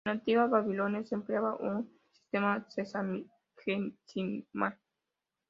En la antigua Babilonia, se empleaba un sistema sexagesimal.